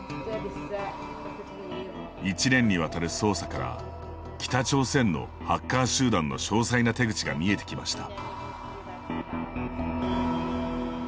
１年にわたる捜査から北朝鮮のハッカー集団の詳細な手口が見えてきました。